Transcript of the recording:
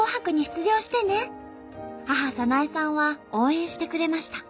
母早苗さんは応援してくれました。